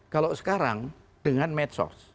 kalau sekarang dengan medsource